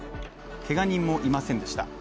けが人もいませんでした。